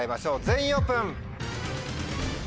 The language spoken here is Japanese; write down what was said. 全員オープン！